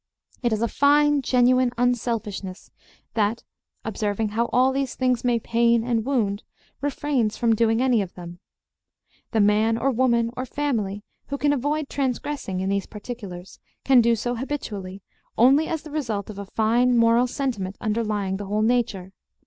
It is a fine genuine unselfishness that, observing how all these things may pain and wound, refrains from doing any of them. The man or woman or family who can avoid transgressing in these particulars can do so habitually only as the result of a fine moral sentiment underlying the whole nature.